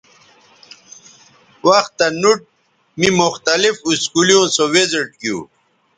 وختہ نوٹ می مختلف اسکولیوں سو وزٹ گیو